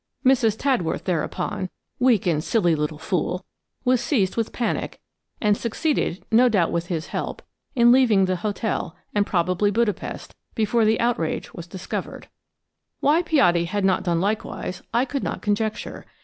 Mrs. Tadworth thereupon–weak and silly little fool!–was seized with panic, and succeeded, no doubt with his help, in leaving the hotel, and probably Budapest, before the outrage was discovered. Why Piatti had not done likewise, I could not conjecture.